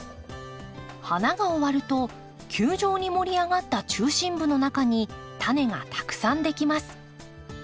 花が終わると球状に盛り上がった中心部の中にタネがたくさんできます。